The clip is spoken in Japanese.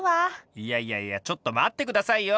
いやいやいやちょっと待って下さいよ！